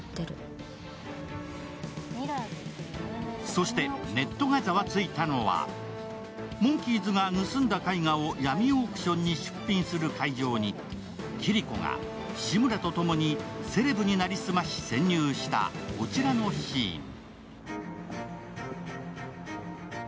そして、ネットがざわついたのはモンキーズが盗んだ絵画を闇オークションに出品する会場にキリコが志村と共にセレブに成り済まし、潜入したこちらのシーン。